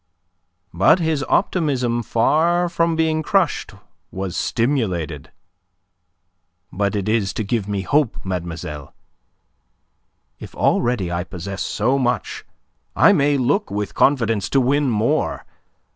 But his optimism far from being crushed was stimulated. "But it is to give me hope, mademoiselle. If already I possess so much, I may look with confidence to win more.